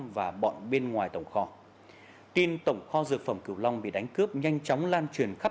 vào mới hỏi mới kêu